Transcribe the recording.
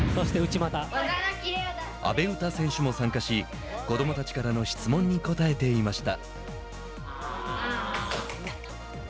阿部詩選手も参加し子どもたちからの質問に答えていました。